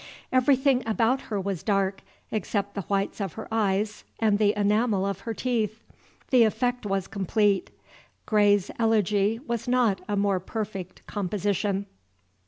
Everything about her was dark, except the whites of her eyes and the enamel of her teeth. The effect was complete. Gray's Elegy was not a more perfect composition.